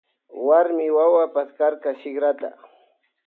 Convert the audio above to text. Warmi wawa paskarka shikrata.